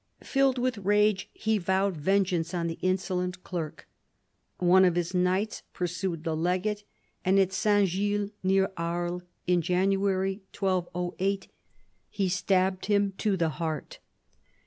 Filled with rage he vowed vengeance on the insolent clerk. One of his knights pursued the legate, and at S. Gilles, near Aries, in January 1208 he stabbed him to the heart..